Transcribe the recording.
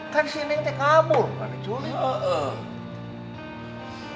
kan ini yang kabur bukan diculik